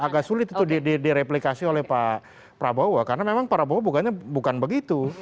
agak sulit itu direplikasi oleh pak prabowo karena memang pak prabowo bukan begitu